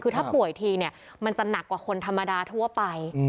คือถ้าป่วยทีเนี่ยมันจะหนักกว่าคนธรรมดาทั่วไป